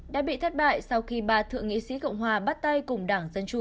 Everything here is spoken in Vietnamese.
đã bị thất bại sau khi ba thượng nghị sĩ cộng hòa bắt tay cùng đảng dân chủ